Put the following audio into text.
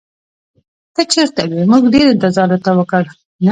ته چېرته وې؟ موږ ډېر انتظار درته وکړ.